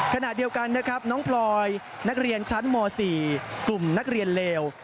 ขณะเดียวกันนะครับน้องพลอยนักเรียนชั้นม๔กลุ่มนักเรียนเลว